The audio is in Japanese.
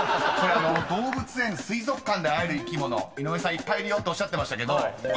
［動物園・水族館で会える生き物井上さん「いっぱいいるよ」とおっしゃってましたけど］